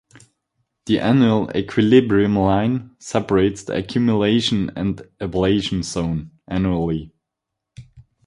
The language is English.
The annual equilibrium line separates the accumulation and ablation zone annually.